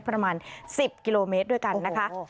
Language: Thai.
ประมาณ๑๐กิโลเมตรด้วยกันนะคะ